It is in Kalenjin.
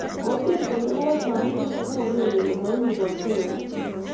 kotiem kende barak sandukut ako ker kole maimugagse koyai